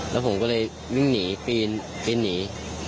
แล้วผมก็เลยวิ่งหนีปีนหนี